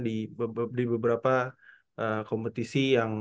di beberapa kompetisi yang